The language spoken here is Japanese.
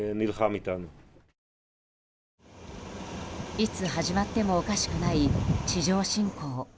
いつ始まってもおかしくない地上侵攻。